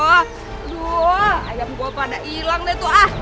aduh ayam gue pada hilang deh tuh ah